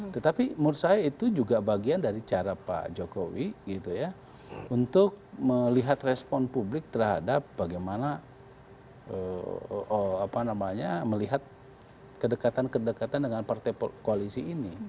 tetapi menurut saya itu juga bagian dari cara pak jokowi gitu ya untuk melihat respon publik terhadap bagaimana melihat kedekatan kedekatan dengan partai koalisi ini